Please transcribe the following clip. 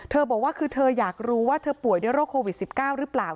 บอกว่าคือเธออยากรู้ว่าเธอป่วยด้วยโรคโควิด๑๙หรือเปล่า